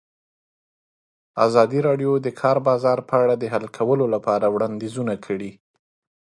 ازادي راډیو د د کار بازار په اړه د حل کولو لپاره وړاندیزونه کړي.